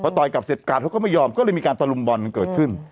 ต่อยกลับเสร็จกาดเขาก็ไม่ยอมก็เลยมีการตะลุมบอลกันเกิดขึ้น